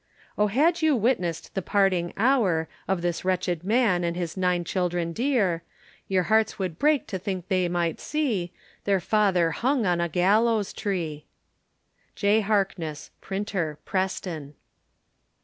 O had you witness'd the parting hour, Of this wretched man and his nine children dear, Your hearts would break to think that they might see, Their father hung upon a gallows tree. J. Harkness, Printer, Preston.